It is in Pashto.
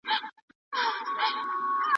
د هيواد بهرنی سياست د ديپلوماتانو لخوا پلي کېږي.